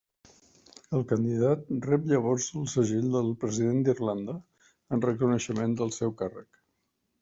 El candidat rep llavors el segell del president d'Irlanda en reconeixement del seu càrrec.